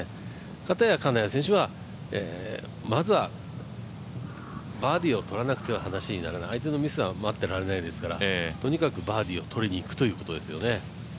片や金谷選手はまずはバーディーをとらなくては話にならない、相手のミスは待ってられないですからとにかくバーディーをとりに行くということですよね。